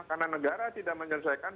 karena negara tidak menyelesaikan